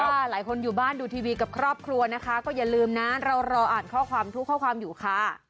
หลายคนอยู่บ้านดูทีวีกับครอบครัวนะคะก็อย่าลืมนะเรารออ่านข้อความทุกข้อความอยู่ค่ะ